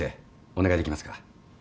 お願いできますか？